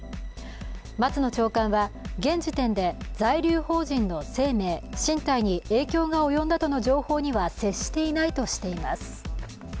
松野長官は、現時点で在留邦人の生命、身体に影響が及んだとの情報には接していないとしています。